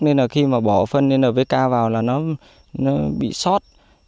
nên khi bỏ phân npk vào là nó bị sót